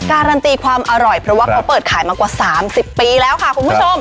การันตีความอร่อยเพราะว่าเขาเปิดขายมากว่า๓๐ปีแล้วค่ะคุณผู้ชม